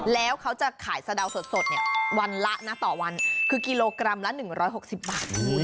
แล้วเขาจะขายสะดาวสดวันละนะต่อวันคือกิโลกรัมละ๑๖๐บาท